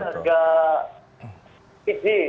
kemudian harga pijik